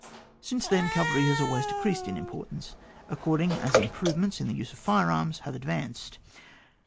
Since then cavalry has always de creased in importance according as im provements in the use of fire arms have advanced.